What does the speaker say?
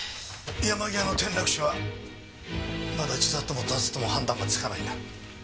山際の転落死はまだ自殺とも他殺とも判断がつかないんだ。